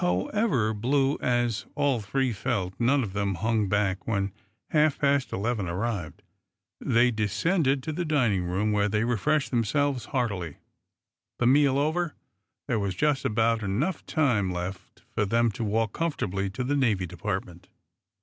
However, "blue" as all three felt, none of them hung back when half past eleven arrived. They descended to the dining room, where they refreshed themselves heartily. The meal over, there was just about enough time left for them to walk comfortably to the Navy Department.